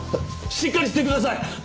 しっかりしてください！